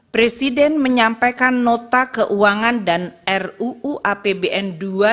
presiden menyampaikan nota keuangan dan ruu apbn dua ribu dua puluh